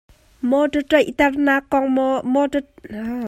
Mawtaw ṭeihnak kong maw theihter na kan duh sualnak phun dang?